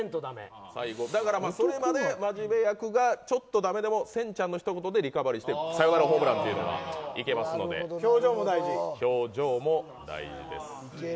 そこまでまじめ役がちょっと駄目でもせんちゃんのところでリカバリーしてサヨナラホームランがありますので表情も大事です。